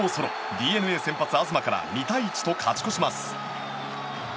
ＤｅＮＡ先発、東から２対１と勝ち越します。